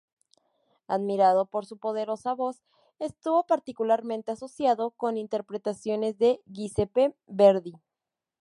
Admirado por su poderosa voz, estuvo particularmente asociado con interpretaciones de Giuseppe Verdi.